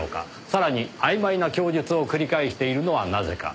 さらにあいまいな供述を繰り返しているのはなぜか。